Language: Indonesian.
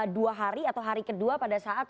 dua hari atau hari kedua pada saat